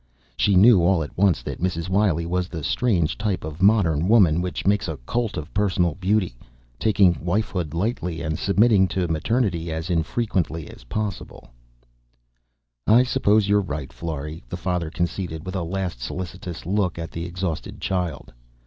She knew, all at once, that Mrs. Wiley was that strange type of modern woman which makes a cult of personal beauty, taking wifehood lightly and submitting to maternity as infrequently as possible. "I suppose you're right, Florry," the father conceded, with a last solicitous look at the exhausted child.